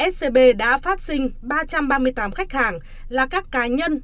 scb đã phát sinh ba trăm ba mươi tám khách hàng là các cá nhân